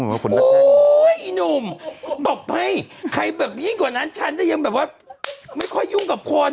โอ้โหอีหนุ่มตบให้ใครแบบยิ่งกว่านั้นฉันก็ยังแบบว่าไม่ค่อยยุ่งกับคน